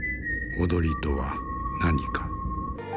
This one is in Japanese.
踊りとは何か。